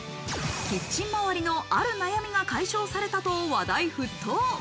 キッチン周りのある悩みが解消されたと話題沸騰。